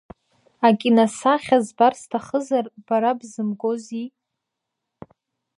Акиносахьа збар сҭахызар, бара бзымгози?